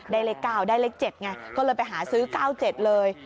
ได้เลขเก้าได้เลขเจ็ดไงก็เลยไปหาซื้อเก้าเจ็ดเลย